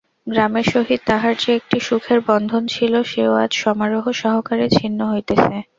গ্রামের সহিত তাঁহার যে একটি সুখের বন্ধন ছিল সেও আজ সমারোহ সহকারে ছিন্ন হইতেছে।